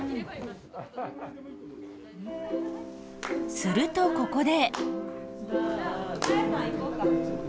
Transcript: するとここで。